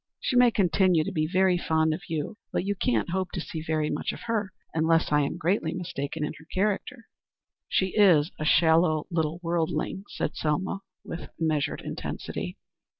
She may continue to be very fond of you, but you can't hope to see very much of her, unless I am greatly mistaken in her character." "She is a shallow little worldling," said Selma, with measured intensity.